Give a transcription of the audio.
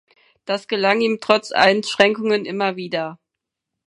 Das gelang ihm trotz Einschränkungen immer wieder.